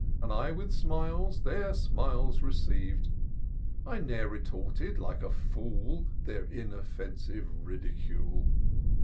And I with smiles their smiles received ; I ne'er retorted, like a fool, Their inoffensive ridicule.